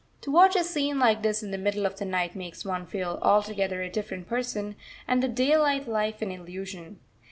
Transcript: To watch a scene like this in the middle of the night makes one feel altogether a different person, and the daylight life an illusion.